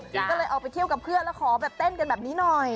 ก็เลยออกไปเที่ยวกับเพื่อนแล้วขอแบบเต้นกันแบบนี้หน่อย